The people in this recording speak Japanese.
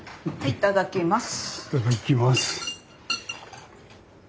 いただきます。